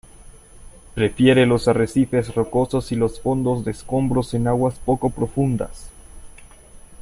Prefiere los arrecifes rocosos y los fondos de escombros en aguas poco profundas.